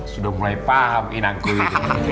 sudah mulai paham inangku itu